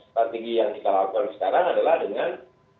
strategi yang kita lakukan sekarang adalah dengan